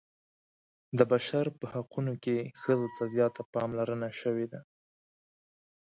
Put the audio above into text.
د بشر په حقونو کې ښځو ته زیاته پاملرنه شوې ده.